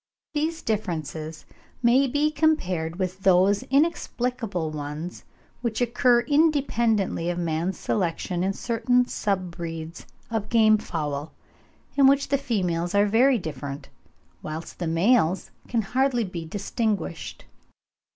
These differences may be compared with those inexplicable ones, which occur independently of man's selection in certain sub breeds of the game fowl, in which the females are very different, whilst the males can hardly be distinguished.